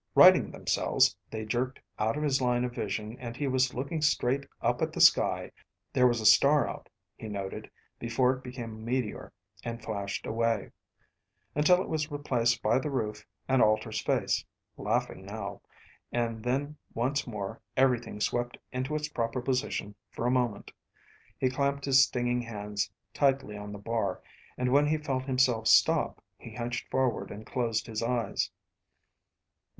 Righting themselves, they jerked out of his line of vision and he was looking straight up at the sky (there was a star out, he noted before it became a meteor and flashed away) until it was replaced by the roof and Alter's face (laughing now) and then once more everything swept into its proper position for a moment. He clamped his stinging hands tightly on the bar, and when he felt himself stop, he hunched forward and closed his eyes.